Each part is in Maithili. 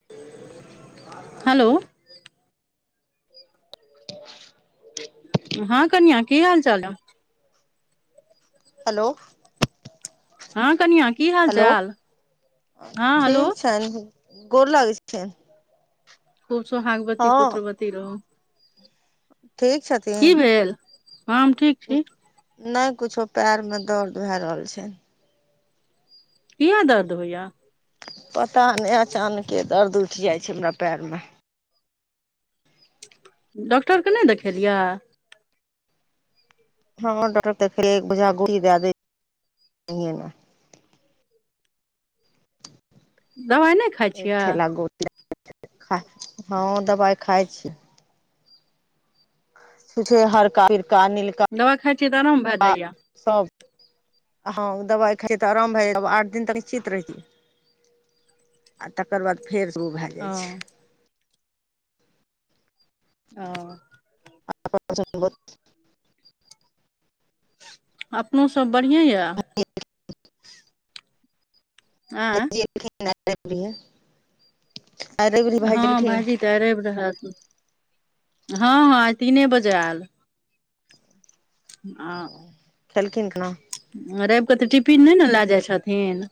[unintelligible] हेलो [unintelligible] हँ कनियाँ की हाल चाल अय? [inaudible] हेलो [inaudible] हँ कनिया की [inaudible] हाल हेलो चाल हँ [inaudible] हेलो ठीक छैन। गोर लागै छियैन खूब सोहागवती पुत्रवती रहु ठीक [inaudible] की छथिन भेल? हम ठीक छी। नै कुछो पैर में दर्द भै रहल छै। किया दर्द होइए पता नै अचानकेँ दर्द उठि जाइ छै हमरा पैर में। डॉक्टर केँ नै देखेलियै हँ डॉक्टर देख [unintelligible] फेर एक बोझा गोली दै दय [unintelligible] मे दवाइ नै एक थैला गो [unintelligible] हँ दबाइ खाइ छीयै जे हरका पिरका नील दवाइ खाइ छियै तऽ आराम भै जाइय सभ [inaudible] हँ दबाइ खाइ छीयै तऽ आराम भै जाइ य आठ दिन तक निश्चित रहय छीयै। [inaudible] आ तकर बाद फेर स ओ उ भै जाइ छै। अ [unintelligible] अपनो सब बढ़ियाँ यऽ [unintelligible] आँय [unintelligible] रवि भाय हँ गेलखिन भाईजी तऽ रैब रहत हऽ हऽ तीने बजे आल [unintelligible] खेलकीन खना रैब कऽ तऽ टिपिन नै न लए जाय छथिन।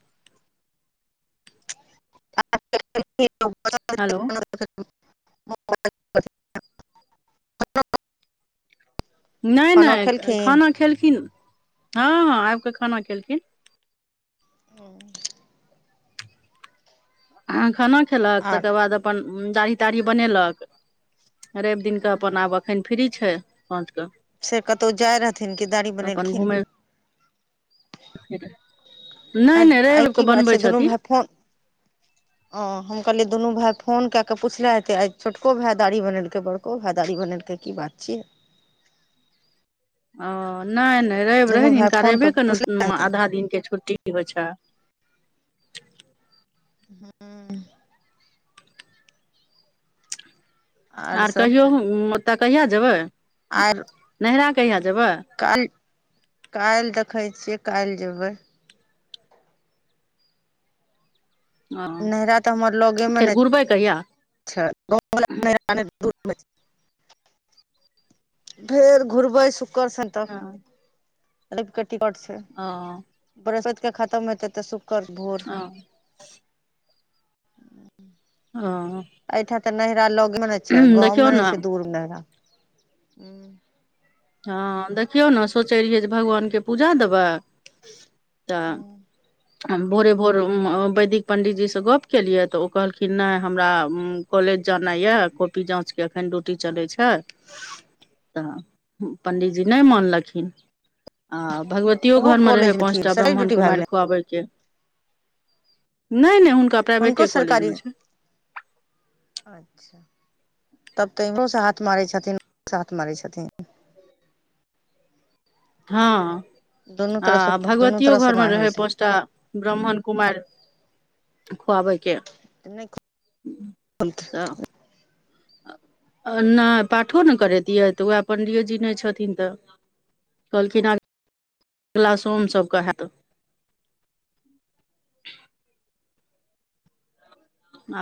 [unintelligible] हेलो [unintelligible] नै खाना नै खेलखिन खाना खेलखिन हँ हँ आइबक खाना खेलखिन [unintelligible] अहाँ खाना खेल कऽ आ तकर बाद अपन दाढ़ी ताढ़ी बनेलक रैव दिन कऽ अपन आब एखन फ्री छैय साँझ कऽ से कतौ जाय रहथिन कि दाढ़ी बनेलखिन घुमै फिरै नहि आइ नहि आइ रवि की कऽ बात बनबै छैय दुनू छथिन भाय फोन [inaudible] हँ हम कहलियै दुनू भाय फोन कय कऽ पुछले हेतय आइ छोटको भाय दाढ़ी बनेलकै बड़ को भाय दाढ़ी बनेलकै की बात छियै हँ नै नै रैव रहै दुनू न भाय हिनका फोन पर रैबे कऽ पुछले न हेथिन आधा दिन केँ छुट्टी होय छै [unintelligible] आर कहियो ओतऽ कहिया जेबै आर नैहरा कहिया जेबै काल्हि काल्हि देखै छियै काल्हि जेबै नैहरा तऽ हमर लगे मे एबै कहिया [unintelligible] [unintelligible] फेर घुरबै शुक कर ओ सेंटर एकटा टिकट छैय ओ बृहस्पैत के खतम हेतै तऽ शुकर बुध [unintelligible] हँऽ अहिठां तऽ नैहरा लगे मे छैय गाँव मे ने छैय दूर नैहरा हँ देखियौ ने सोचै रहियै जे भगवानके पूजा देबै तऽ तहन भोरे भोर उ वैदिक पण्डीजीसँ गप्प केलियै तऽ ओ कहलखिन नहि हमरा कॉलेज जानाय यऽ कॉपी जाँचके एखन ड्यूटी चलै छैय तऽ पण्डीजी नहि मानलखिन आ भगवत तीयो ओहो घर मे रहै कॉलेज पाँच थिन टा सरकारी ब्राह्मण ड्यूटी भए कुमारि गेलै खुआबय के नहि नहि हुनका हुनको प्राइवेटे सरकारी कॉलेजमे छै अच्छ तब तऽ इम्हरो से हाथ मारै छथिन्ह ओम्हरो से हाथ मारै छथिन्ह हँ दुनू आ तरफ से दुनू भगवतियो तरफ से घरमे माय होइ रहै छै पाँच टा ब्राह्मण कुमारि--खुआबैके नहि [unintelligible] ओ नहि पाठो ने करैतियै तऽ वैह पण्डियो जी नहि छथिन्ह तऽ कहलखिन आब--अगिला सोम सबके हैत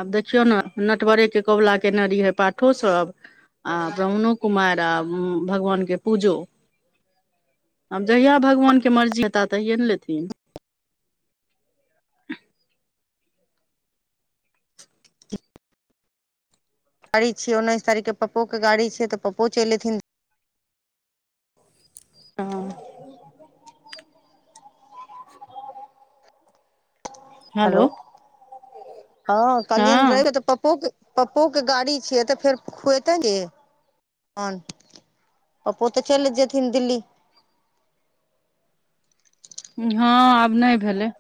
आब देखियौ ने नटवरेके कबुला केने रहियै पाठो सभ आ ब्राह्मणो कुमारि आ भगवानके पूजो आब जहिया भगवानके मर्जी हेताह तहिये नऽ लेथिन गाड़ी छिय। उन्ैसारीख के पप्पो के गाड़ी छै। तऽ पप्पो चल एेथिन। हँ। हेलो। हँ कहलिएण रेव हँ कऽ तऽ पपो कऽ पप्पोके गाड़ी छियै। तऽ फेर खुेते गेन पपो तऽ चलि जेथिन दिल्ली हँ आब नहि भेलै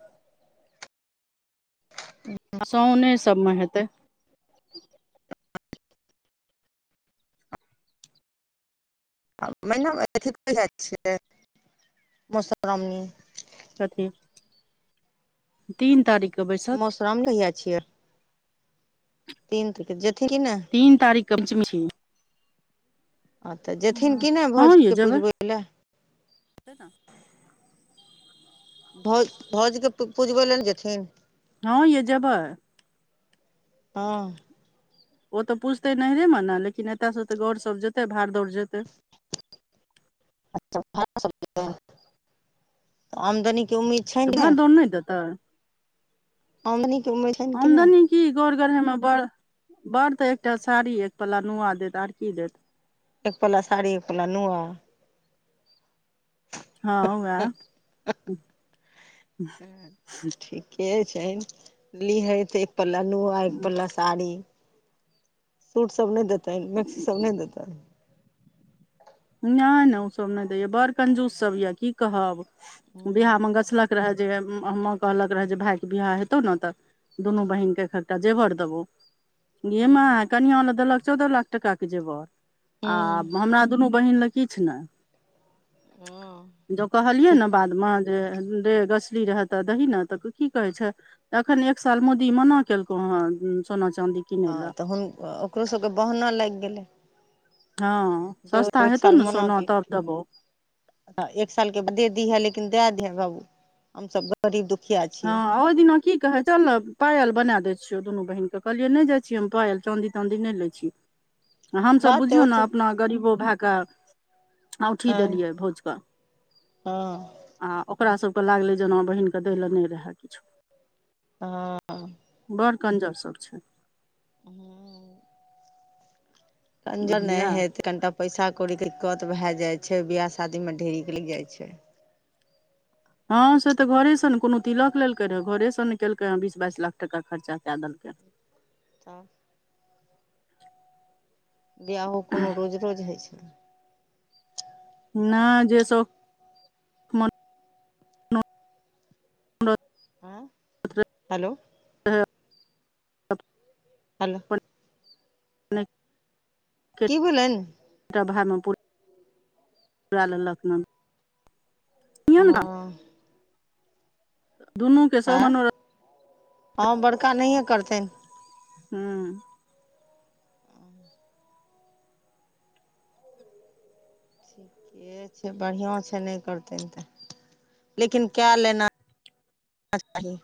आ साउने सबमे हेतै आ महिना मे तऽ ठीक बुझाय छैय मोसरामनी कथी--तीन तारीख के बैसक गाम नहि जाय छियै तीन तिक जेथिन कि नहि। तीन तारीखके प्चम छै। आ तऽ जेथिन किी नहि हँ यै भौजके जेबै पुजबै लए। [unintelligible] भौज भौजके पुजबै लए ने जेथिन। हँ ये जेबै। हँ। ओ तऽ पुछतै नहिैरेमे नऽ लेकिन एतयसँ तऽ गौरसभ जेतै भाड़ दौड़ जेतै। [unintelligible] तऽ आमदनी के उम्मीद तऽ छनि ने भाड़ दौड़ नहि देतै। आमानि के उमैनि कि नहि आमदनी की गोर गढ़े मे बड़ बड़ तऽ एकटा साड़ी एक पला नुआ देत आर की देत। एक पालला साड़ी एक पालला नुआ हँ उहाय ठिके छै लिहेत। एक पला नुआ एक पला साड़ी। सूट सब नहि देताै। मैक्सी सब नहि देताै। नहि नहि ओ सब नहि दय या बड़ कंजूस सब ये की कहब बिियह हँ मे गछल। रह जे हमाँ कहलक रहए जे भायके बिियाह हेतौ नऽ तऽ दुनू बहिीनके एक एकटा जेवर देबौ। गेमे कनिआँ लए देलक चौदह लाख टाके जेवर आ हमरा दुनू बहिन लऽ किछ नहि जब कहलिए नऽ बाद में जे गछली रह तऽ दही न तऽ की कहे छै। एखन एक साल मोदी मना केलकौ हँ सोना चाँदी हँ किनै लए तऽु ओकरो सभके बहना लागि गेलै। हँ जे ओ सस्ता एक हेतौ साल ने सोना तब देबौ। ऽ एक साल के बाद दे दी है। लेकिन दए द है। बाबू हमस गरीब दुखिया छै। हँ ओहो दिना की कहै चल पायल बना दै छियौ। दुनू बहिनके कहलियै नहि जाइ छियै। हम पायल चाँदी ताँदी नहि लै छी। [unintelligible] हमसभ बात बुझियौ नऽ ओते अपना गरीबो भएके। औठी हँ देलियै भोजके। हँ आ ओकरासभके लागलै जेना बहिीनकेँ दै लऽ नहि रहय किछो। हँ बड़ कंजर सब छै। [inaudible] [unintelligible] बुझलियै पैसा कौड़ीके दिक्कत भए जाइ छै। बिआह शादीमे ढेर लागि जाइ छै। हँ से तऽ घरे से ने कोनो तिलक लेलकै रहे घरे स ने केलकै हँ बीस बाइस लाख टका खर्चा कए देलकै। [unintelligible] [inaudible] बियाहो कोनो रोज रोज होइ छै ना जेसो [unintelligible] आँ रहै हेलो। [unintelligible] हेलो। की भेलनि [unintelligible] एकटा भाइमे पू [unintelligible] पूरा लेलक हन हँ दुनू के सब एअ मनोरथ हँ बड़का नहिए करथिन हू ठीके छै बढ़िआँ छै नइ करतै तऽ लेकिन कए लेना चाही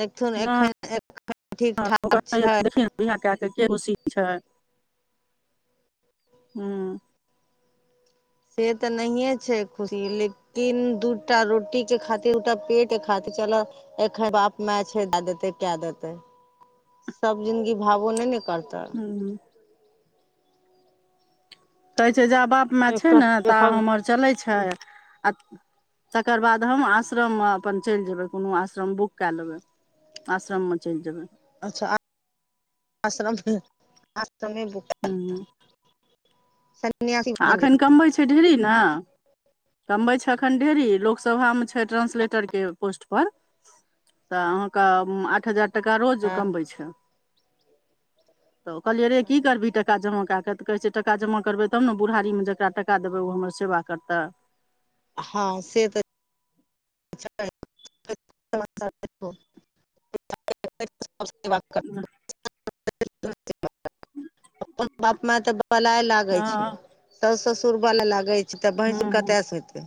देखथुन नहि एखन एखन ठीक ठाक छै बिहा कए कऽ के खुशी छै हू से तऽ नहिए छै खुशी लेकिन तीन दूटा रोटी के खातिर दूटा पेट के खातिर चलऽ एखन बाप माय छै देऽ देते केऽ देते सब जिंदगी भावो नय नऽ करतै हू कहै छै जा बाप माय छै नऽ ता हमर चलैत छै आ तकर बाद हम आश्रम मऽ अपन चैल जेबै कोनो आश्रम बुक केऽ लेबै आश्रममे चैल जेबै अच्छाश्रम आश्र [unintelligible] हू सन्यासी [unintelligible] आ अखन कमबै छै ढिरी नऽ कमबै छै अखन ढेरी लोकसभामे छै ट्रानंसलेटरके पोस्टपर तऽ अहाँके आठ हजार टाका रोज ओ हँ कमबै छै तऽ कहलियै रे की करबी टाका जमा कए क तऽ कहै छै टाका जमा करबै तब नऽ बुढ़ारीमे जकरा टाका देबै ओ हमरा सेवा करतै हँ से तऽ [unintelligible] [unintelligible] [unintelligible] अपन बाप माय तऽ बलाय लागै छै हूँ साउस ससुर बलाय लागै छै तऽ भैंसु हूँ कतयसँ होयतै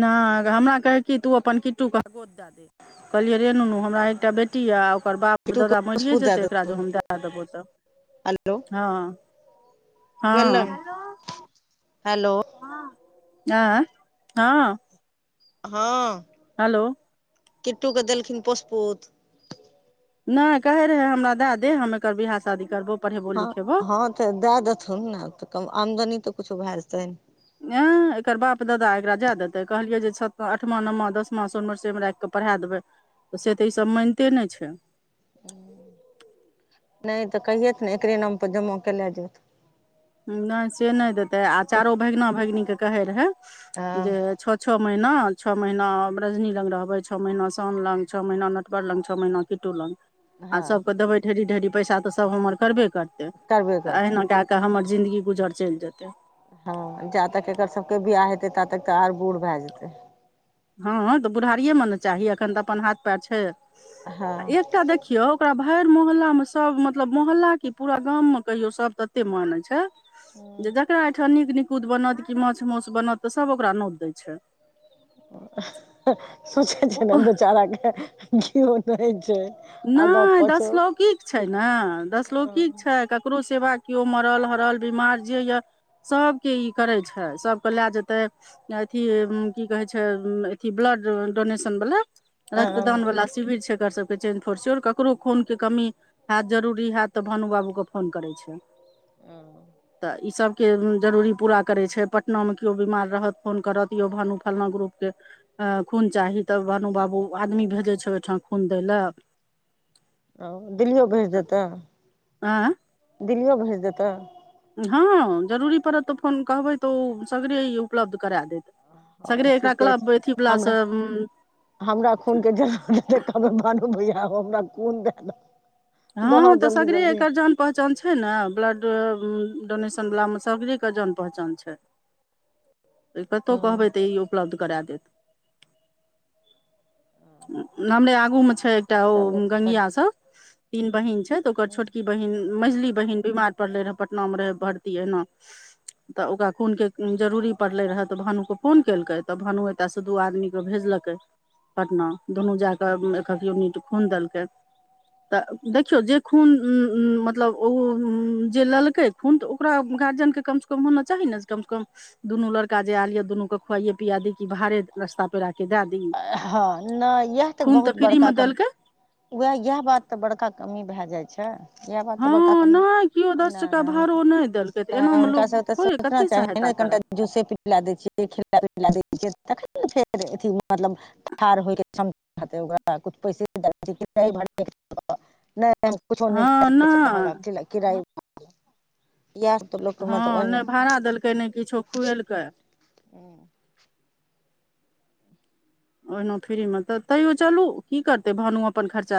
नय हमरा कहै कि तऽ ओ अपन किट्टूके गोद द दे कहलियै रे नुनु हमरा एकटा बेटी याऽ आ ओकर बाप टुटू के दादा पोसपू मरियए दए जेतै एकरा देतौ जे हम दए देबौ तऽ हेलो हँ गेलै हँ हेलो हँ एऽ हँ हँ हेलो किट्टूके देलखिन पोसपूत नइ कहै रहै हमरा दए दे हम एकर बियाह शादी करबौ पढ़ेबो हँ लिखेबो हँ तऽ दए देथुन नऽ तऽ आमदनी तऽ कुछो भए जेतैन ए एकर बाप दादा एकरा जाय देते कहलियै जे छ आठमा नवमा दसमा सोनमवरसे में राइख के पढ़ा देबै तऽ से तऽ ई सब मानिते नय छै नहि तऽ कहियेथ ने एकरे नाम पर जमा केलाय जाइत नहि से नहि देतै आ चारो भगिना भगिनीके कहे रहै हँ जे छः छः महिना छः महिना रजनी लंग रहबै छः महिना शाम लग छः महिना नटवर लग छः महीना किटुलंग आ हँ सबके देबै ढेरी ढेरी पैसा तऽ सभ हमर करबे करतै करबे तऽ करतै अहिना कए कऽ हमर जिन्दगी गुजर चैल जेतै हँ जा तक एकर सबके बियाह हेतै ता तक तऽ आओर बूढ़ भए जेतै हँ हँ तऽ बुढ़ारिए मऽ नऽ चाही अखन तऽ अपन हाथ पैर छै आ हँ एकटा देखियौ ओकरा भैर मोहल्ला में सब मतलब मोहल्ला की पूरा गाम में कहियो सब तत्ते माने छै जे जकरा एहिठाम नीक निकुत बनत कि माछ माौस बनत तऽ सब ओकरा नौत दै छै सोचै छै ने बेचारा कऽ कियो नहि छै आगाँ नहि दस पाछो लौकिक छै नहि दस अ लोकिक छै ककरो सेवा कियो मरल हरल बिमार जे यए सबके ई करै छै सबके लाए जेतै अथी की कहै छै अथी ब्लड डोनेशन बला रक्तदान वाला शिविर छै एककर सब कऽ पिरचुन फुरचुन‌ ककरो खून कऽ कमी हाएत जरूरी हाएत तऽ भानु बाबू के फोन करे छै [inaudible] तऽ ई सबके जरूरी पूरा करै छै पटनामे कियो बिमार रहत फोन करत यौ भानू फलना ग्रुपके अ खून चाही तऽ भानू बाबू आदमी भेजै छै ओयठा खून दैले औ दिल्लियो भेज देतऽ आँय दिल्लियो भेज देतऽ ह जरूरी पड़त तऽ फोन कहबै तऽ ओ सगरे ई उपलब्ध करा देत सगरे हँ एकरा ठीके छै क्लब अथि बला हमरा सऽ हमरा खून कऽ जरूर कहबै मानू भैया हो हमरा खून दाए द हऽ तऽ सगरे एकर जान पहचान छै ने ब्लड डो डोनेशन बला मऽ सगरे के जान पहचान छै [inaudible] तऽ कतहु कहबै तऽ ई उपलब्ध कराए देत हमरे आगू मे छै एकटा ओ चलू गंगिया सब तीन बहिन छै तऽ ओकर छोटकी बहिन मझली बहिन बीमार पड़ले रहै पटना मऽ रहै भर्ती एना तऽ ओकरा खूनके जरूरी पड़लै रहए तऽ भानु कऽ फोन केलकै तऽ भानु एतयसँ दू आदमीके भेजलकै पटना दुनू जा कऽ एखक यूनिट खुन देलकै तऽ देखियौ जे खून मतलब उ जे लेलकै खून तऽ ओकरा गारजन कऽ कमसँ कम होना चाही नहि जे कम से कम दुनू लड़का जे आएल ये दुनू के खुवाये पियाए दी की भारे रस्ता पेरा के दाए दि हँ नहि इएह खून तऽ बहुत फ्री बड़का मे कम देलकै उएह इएह बात तऽ बड़का कमी भाए जाय छै इएह बात तऽ हँ बड़का कमी नहि केओ दस टका नहि हुनका भाड़ो नहि देलकै तऽ नहि एनामे हुनका लोक से तऽ थोड़े सोचना कते चाही सहायता ने कनिटा करत जूसे पि खिला दै छियै खिला पिलाए दै छियै तखन नऽ फेर अथी मतलब ढार होइके क्षमता हतै ओकरा कुछ पैसे दऽ नहि हम कुछो नहि हँ देय सकै छी अहाँ नहि लंग कि किराय याह सब तऽ लोक मत ओएहना तऽ नहि किछो खुएलकै [inaudible] ओहिना फ्री मे तऽ तैयो चलू की करतै भानु अपन खर्चा